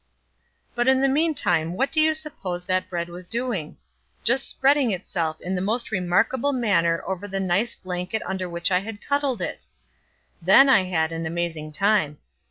"But in the meantime what do you suppose that bread was doing? Just spreading itself in the most remarkable manner over the nice blanket under which I had cuddled it! Then I had an amazing time.